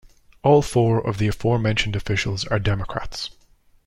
All four of the aforementioned officials are Democrats.